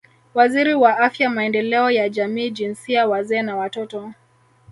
Waziri wa Afya Maendeleo ya Jamii Jinsia Wazee na Watoto